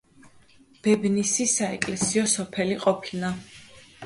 ბებნისი საეკლესიო სოფელი ყოფილა.